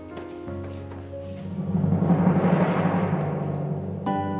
udah jam lima